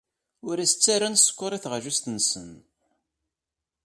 Ur as-ttarran sskeṛ i teɣlust-nsen.